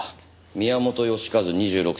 宮本良和２６歳。